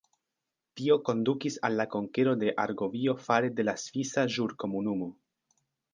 Tio kondukis al la konkero de Argovio fare de la Svisa Ĵurkomunumo.